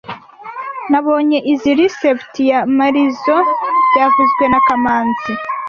Nabonye izoi resept ya Marizoa byavuzwe na kamanzi